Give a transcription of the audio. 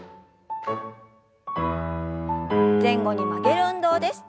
前後に曲げる運動です。